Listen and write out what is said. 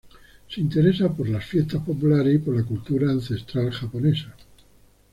Se interesa por las fiestas populares y por la cultura ancestral japonesa.